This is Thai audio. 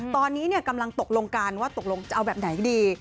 ตอนนี้กำลังตกลงกันว่าตกลงจะเอาแบบไหนดี